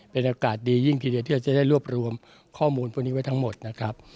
เป็นอากาศดียิ่งทีเดียวที่เราจะได้รวบรวมข้อมูลพวกนี้ไว้ทั้งหมดนะครับ